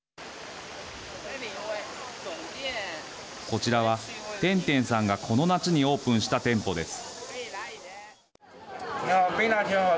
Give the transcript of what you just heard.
こちらは、天天さんがこの夏にオープンした店舗です。